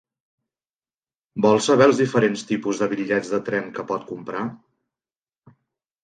Vol saber els diferents tipus de bitllets de tren que pot comprar?